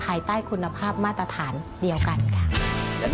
ภายใต้คุณภาพมาตรฐานเดียวกันค่ะ